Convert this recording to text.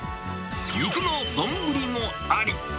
肉の丼もあり。